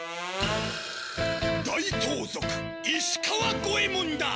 大盗賊石川五右衛門だ！